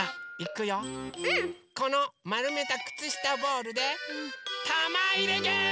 このまるめたくつしたボールでたまいれゲーム！